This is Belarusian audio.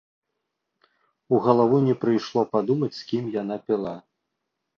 У галаву не прыйшло падумаць, з кім яна піла.